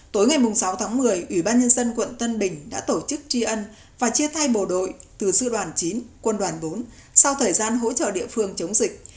tối ngày sáu tháng một mươi ủy ban nhân dân quận tân bình đã tổ chức tri ân và chia tay bộ đội từ sư đoàn chín quân đoàn bốn sau thời gian hỗ trợ địa phương chống dịch